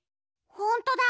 ほんとだ！